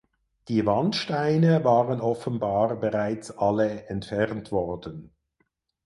Die Wandsteine waren offenbar bereits alle entfernt worden.